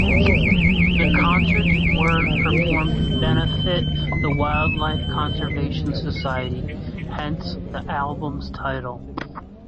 The concerts were performed to benefit the Wildlife Conservation Society, hence the album's title.